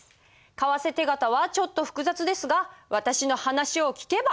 為替手形はちょっと複雑ですが私の話を聞けばすぐ分かります。